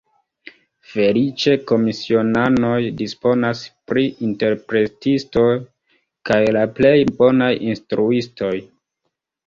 Feliĉe komisionanoj disponas pri interpretistoj kaj la plej bonaj instruistoj.